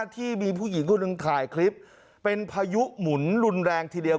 ที่มีผู้หญิงคนหนึ่งถ่ายคลิปเป็นพายุหมุนรุนแรงทีเดียว